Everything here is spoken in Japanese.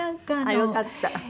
よかった。